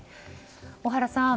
小原さん